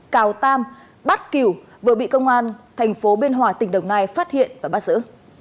cào tam bát kiểu vừa bị công an tp biên hòa tỉnh đồng nai phát hiện và bắt giữ